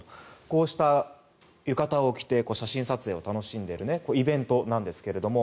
こうした浴衣を着て写真撮影を楽しんでいるイベントなんですが。